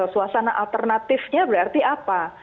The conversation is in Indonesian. suasana alternatifnya berarti apa